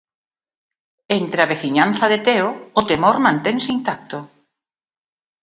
Entre a veciñanza de Teo, o temor mantense intacto.